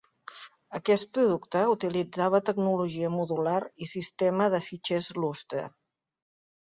Aquest producte utilitzava tecnologia modular i sistema de fitxers Lustre.